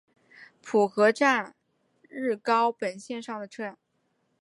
浦河站日高本线上的站。